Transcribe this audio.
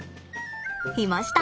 いました。